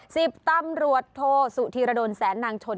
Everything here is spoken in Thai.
สิบตำรวจโทสุธีรดลแสนนางชน